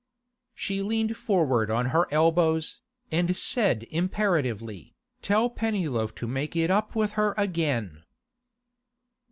She leaned forward on her elbows, and said imperatively, 'Tell Pennyloaf to make it up with her again.